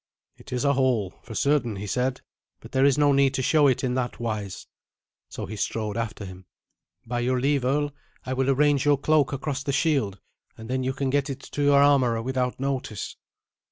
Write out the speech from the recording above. "It is a hole, for certain," he said; "but there is no need to show it in that wise." So he strode after him. "By your leave, earl, I will arrange your cloak across the shield, and then you can get it to your armourer without notice."